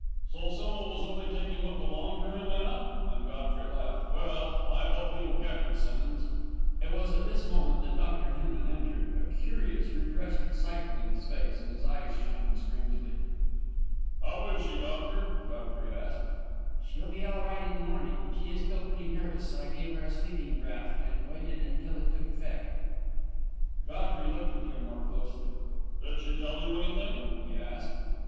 "So Silva was only taking what belonged to him, eh?" and Godfrey laughed. "Well, I hope you'll get him, Simmonds." It was at this moment that Dr. Hinman entered, a curious, repressed excitement in his face, and his eyes shining strangely. "How is she, doctor?" Godfrey asked. "She'll be all right in the morning. She is still pretty nervous, so I gave her a sleeping draught and waited till it took effect." Godfrey looked at him more closely. "Did she tell you anything?" he asked.